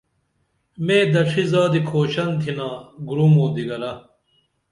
مے دڇھی زادی کھوشن تِھنا گُرُم او دیگرہ